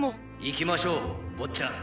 行きましょう坊ちゃん！